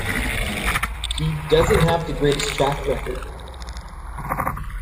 He doesn't have the greatest track record.